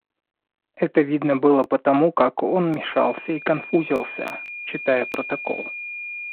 Это видно было по тому, как он мешался и конфузился, читая протокол.